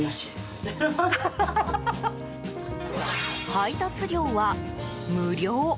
配達料は無料。